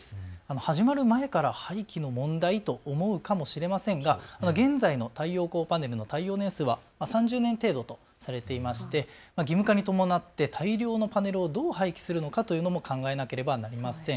始まる前から廃棄の問題と思うかもしれませんが現在の太陽光パネルの耐用年数は３０年程度とされていまして義務化に伴って大量のパネルをどう廃棄するかというのを考えなければなりません。